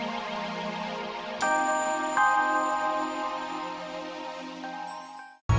sebelum kamu tersesat lebih jauh